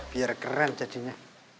biar keren jadinya